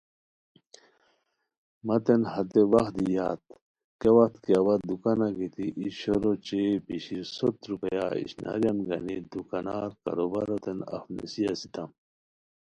متین ہتے وخت دی یاد کیہ وت کی اوا دوکانہ گیتی ای شور اوچے بیشیر سوت روپیا اشناریان گانی دوکانار کاروباروتین اف نیسی اسیتام